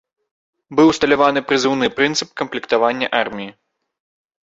Быў усталяваны прызыўны прынцып камплектавання арміі.